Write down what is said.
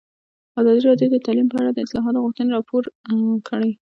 ازادي راډیو د تعلیم په اړه د اصلاحاتو غوښتنې راپور کړې.